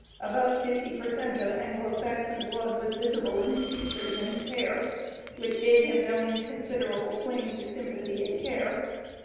About fifty per cent. of Anglo Saxon blood was visible in his features and his hair, which gave him no inconsiderable claim to sympathy and care.